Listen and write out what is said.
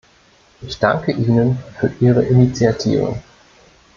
Ich danke Ihnen für Ihre Initiative.